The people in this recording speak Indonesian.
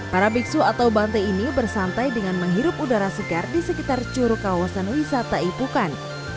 para biksu atau bante ini bersantai dengan menghirup udara segar di sekitar curug kawasan wisata ipukan